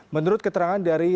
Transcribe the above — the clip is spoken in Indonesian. menurut keterangan dari